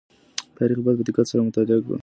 تاريخ بايد په دقت سره مطالعه کړئ.